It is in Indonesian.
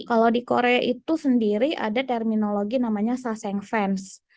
kalau di korea itu sendiri ada terminologi namanya saseng fans